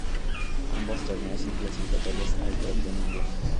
Ambos torneos son clasificatorios al Trofeo Mundial.